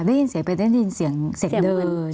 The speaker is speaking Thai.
ได้ยินเสียงไปได้ยินเสียงเสียงเดิน